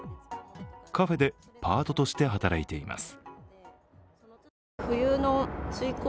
カフェでパートとして働いています。